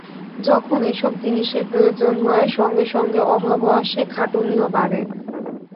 যখন এইসব জিনিষের প্রয়োজন হয়, সঙ্গে সঙ্গে অভাবও আসে, খাটুনিও বাড়ে।